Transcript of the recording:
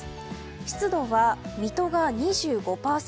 湿度は水戸が２５％